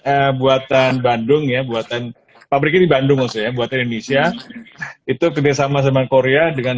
eh buatan bandung ya buatan pabrik ini bandung ya buatan indonesia itu kena sama sama korea dengan